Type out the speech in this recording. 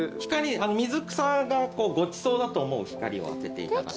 水草がごちそうだと思う光を当てていただく。